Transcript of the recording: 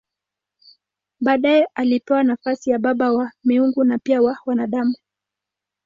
Baadaye alipewa nafasi ya baba wa miungu na pia wa wanadamu.